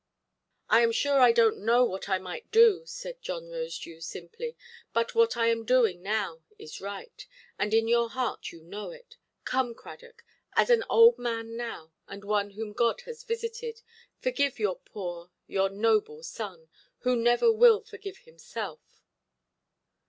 "I am sure I donʼt know what I might do", said John Rosedew, simply, "but what I am doing now is right; and in your heart you know it. Come, Cradock, as an old man now, and one whom God has visited, forgive your poor, your noble son, who never will forgive himself".